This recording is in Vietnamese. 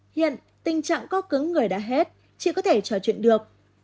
hiện tình trạng co cứng người đã hết chỉ có thể trò chuyện được